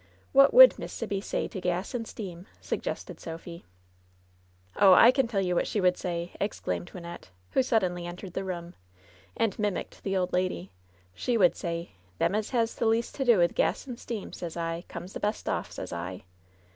What would Miss Sibby say to gas and steam?" su^ested Sophy. "Oh I I can tell you what she would say," exclaimed Wynnette, who suddenly entered the room, and mim icked the old lady. "She would say: ^Them as has the least to do with gas and steam, sez I, comes the best off, sez I.'